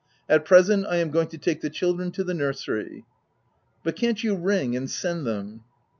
At present, I am going to take the children to the nursery.'* " But can't you ring, and send them